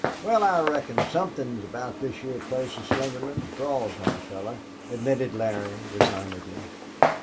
"Wal, I reckon somethin' abbot this heah place of Slingerland's draws on a fellar," admitted Larry, resignedly.